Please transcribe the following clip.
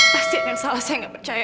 pasti ada yang salah saya gak percaya